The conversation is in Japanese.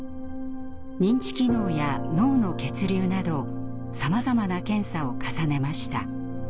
認知機能や脳の血流などさまざまな検査を重ねました。